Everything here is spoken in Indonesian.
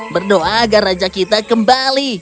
berdoa agar raja kita kembali